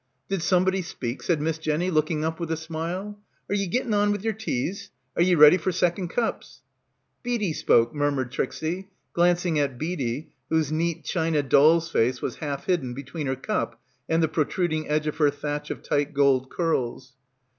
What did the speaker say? Did somebody speak?" said Miss Jenny, looking up with a smile. "Are ye getting on with yer teas? Are ye ready for second cups?" "Beadie spoke," murmured Trixie, glancing at Beadie whose neat china doll's face was half hidden between her cup and the protruding edge of her thatch of tight gold curls.